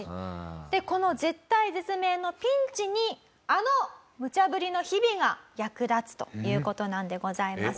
この絶体絶命のピンチにあのムチャブリの日々が役立つという事なんでございます。